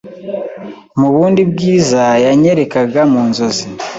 mu bundi bwiza yanyerekaga mu nzozi